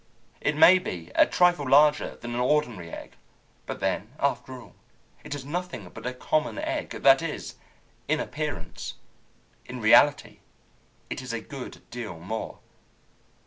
It may be a trifle larger than an ordinary egg, but then, after all, it is nothing but a common egg that is, in appearance. In reality it is a good deal more.